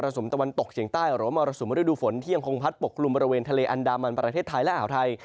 สุมตะวันตกเฉียงใต้หรือว่ามรสุมฤดูฝนที่ยังคงพัดปกกลุ่มบริเวณทะเลอันดามันประเทศไทยและอ่าวไทย